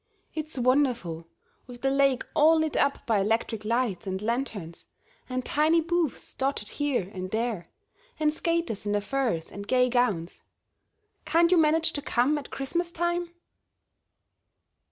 "It's wonderful, with the lake all lit up by electric lights and lanterns, and tiny booths dotted here and there, and skaters in their furs and gay gowns. Can't you manage to come at Christmas time?"